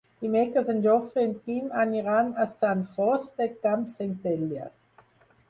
Dimecres en Jofre i en Quim aniran a Sant Fost de Campsentelles.